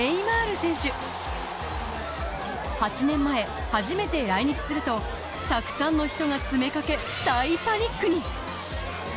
８年前初めて来日するとたくさんの人が詰め掛けさらに